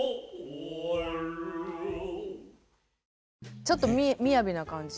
ちょっとみやびな感じ。